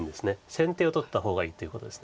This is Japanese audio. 先手を取った方がいいということです。